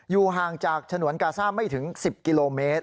ห่างจากฉนวนกาซ่าไม่ถึง๑๐กิโลเมตร